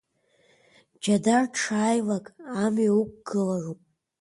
Џьадар дшааилак, амҩа уқәгылароуп.